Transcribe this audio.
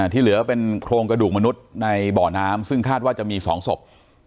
ที่เหลือเป็นโครงกระดูกมนุษย์ในบ่อน้ำซึ่งคาดว่าจะมี๒ศพ